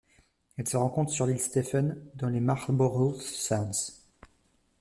Elle se rencontre sur l'île Stephen dans les Marlborough Sounds.